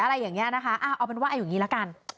อะไรอย่างนี้นะคะเอาเป็นว่าเอาอย่างนี้ละกัน